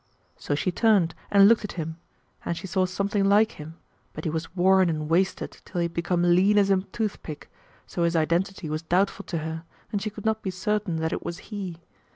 So she turned and looked at him: and she saw something like him, but he was worn and wasted till he had become lean as a toothpick, so his identity was doubtful to her and she could not be certain that it was he.